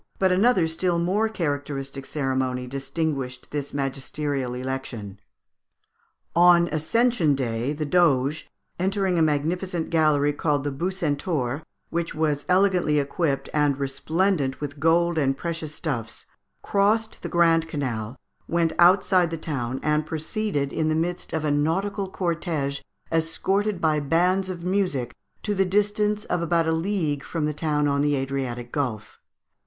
But another still more characteristic ceremony distinguished this magisterial election. On Ascension Day, the Doge, entering a magnificent galley, called the Bucentaur, which was elegantly equipped, and resplendent with gold and precious stuffs, crossed the Grand Canal, went outside the town, and proceeded in the midst of a nautical cortége, escorted by bands of music, to the distance of about a league from the town on the Adriatic Gulf.